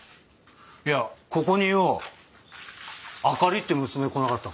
いやここにようあかりって娘来なかったか？